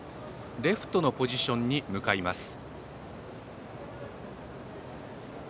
レフトのポジションに向かいます。